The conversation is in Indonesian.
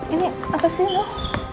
ini apa sih noh